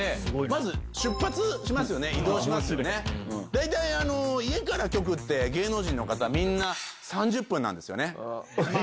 大体家から局って芸能人の方みんな３０分なんですよね。